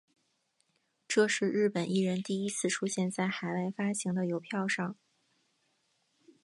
这是日本艺人第一次出现在海外发行的邮票上。